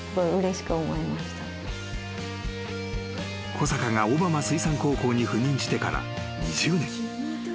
［小坂が小浜水産高校に赴任してから２０年］